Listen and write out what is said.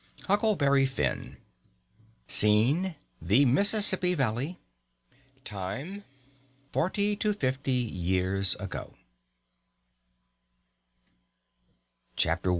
HUCKLEBERRY FINN Scene: The Mississippi Valley Time: Forty to fifty years ago CHAPTER I.